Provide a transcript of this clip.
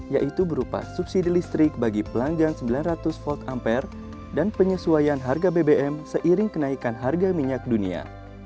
yaitu berupa subsidi listrik bagi pelanggan sembilan ratus volt ampere dan penyesuaian harga bbm seiring kenaikan harga minyak dunia